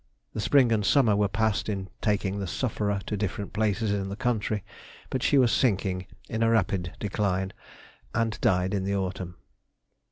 The spring and summer were passed in taking the sufferer to different places in the country, but she was sinking in a rapid decline, and died in the autumn.